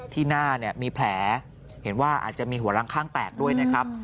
ที่หน้าเนี่ยมีแผลเห็นว่าอาจจะมีหัวล้างข้างแตกด้วยนะครับ